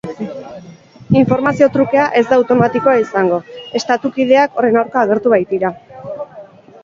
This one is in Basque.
Informazio trukea ez da automatikoa izango, estatu-kideak horren aurka agertu baitira.